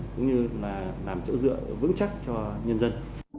cũng như là làm chỗ dựa vững chắc cho nhân dân